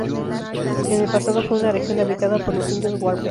En el pasado fue una región habitada por los indios Huarpes.